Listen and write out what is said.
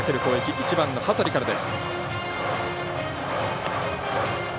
１番、羽鳥からです。